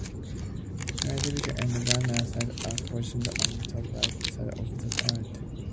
Night vision and gunner's sight are positioned on the top-right side of the turret.